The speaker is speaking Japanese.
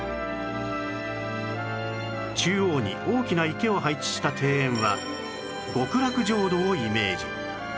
中央に大きな池を配置した庭園は極楽浄土をイメージ